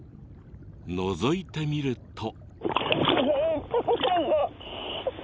のぞいてみると。